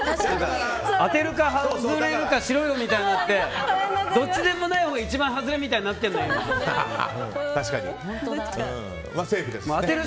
当てるか、外れるかしろよってなってどっちでもないほう一番外れみたいになってる。